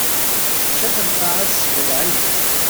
Tečča-t lqaɛa tesbleɛ-it.